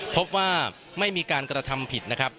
พบว่าไม่มีการกระทำผิด